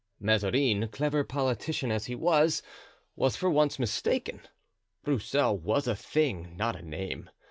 Mazarin, clever politician as he was, was for once mistaken; Broussel was a thing, not a name.